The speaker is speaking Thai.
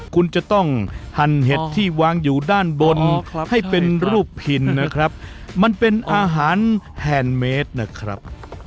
คุณจะต้องหั่นเห็ดที่วางอยู่ด้านบนให้เป็นรูปหินนะครับมันเป็นอาหารแฮนด์เมดนะครับ